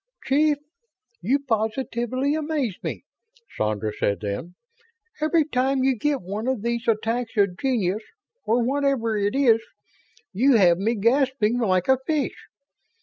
"Chief, you positively amaze me," Sandra said then. "Every time you get one of these attacks of genius or whatever it is you have me gasping like a fish.